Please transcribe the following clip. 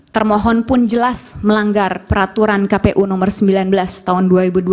termohon pun jelas melanggar peraturan kpu nomor sembilan belas tahun dua ribu dua puluh